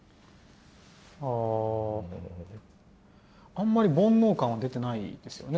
あんまり煩悩感は出てないですよね。